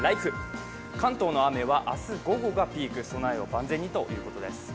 関東の雨は明日午後がピーク、備えを万全にということです。